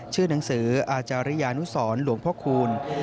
ชื่อหนังสืออาจารยานุสรหลวงพ่อคูณ